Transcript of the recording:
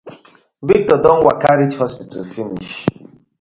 Victor don waka reach hospital finish.